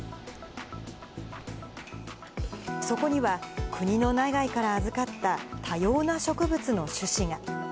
そこには、国の内外から預かった多様な植物の種子が。